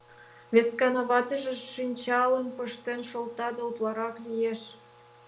Вескана ватыже шинчалым пыштен шолта, да утларак лиеш.